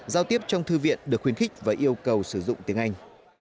giao tiếp trong thư viện được khuyến khích và yêu cầu sử dụng tiếng anh